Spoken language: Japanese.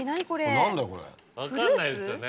分かんないですよね。